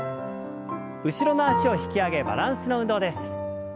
後ろの脚を引き上げバランスの運動です。